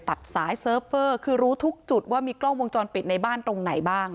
ตัดสายเซิร์ฟเฟอร์คือรู้ทุกจุดว่ามีกล้องวงจรปิดในบ้านตรงไหนบ้าง